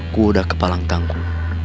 gue udah kepala tangku